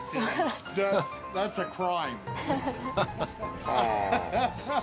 ハハハハッ！